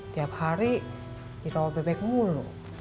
tiap hari di rawa bebek mulu